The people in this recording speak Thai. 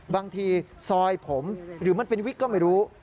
บางทีซอยผมหรือมันเป็นวิกก็ไม่รู้